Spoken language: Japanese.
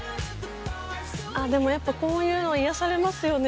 あっでもやっぱこういうの癒やされますよね